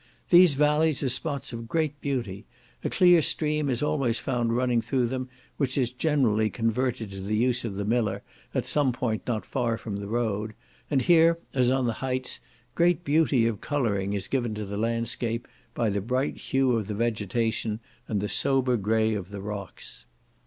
These vallies are spots of great beauty; a clear stream is always found running through them, which is generally converted to the use of the miller, at some point not far from the road; and here, as on the heights, great beauty of colouring is given to the landscape, by the bright hue of the vegetation, and the sober grey of the rocks.